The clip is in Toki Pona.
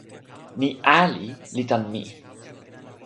ni ali li tan mi.